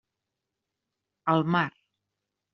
Al mar!